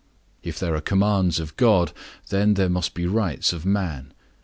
If there are commands of God, then there must be rights of man.